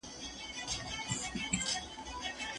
زموږ پاڼه وړاندي کړئ.